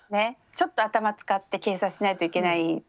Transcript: ちょっと頭使って計算しないといけないところですけど